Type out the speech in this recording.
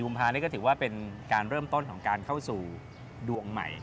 ภานี่ก็ถือว่าเป็นการเริ่มต้นของการเข้าสู่ดวงใหม่